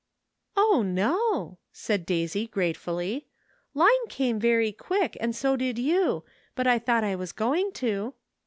"O, no!" said Daisy gratefully, "Line came very quick, and so did you; but I thought I was going to."